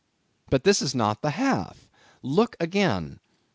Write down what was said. But this is not the half; look again.